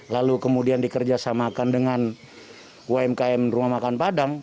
lalu kemudian dikerjasamakan dengan umkm rumah makan padang